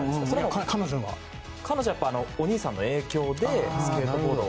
彼女はお兄さんの影響でスケートボードを。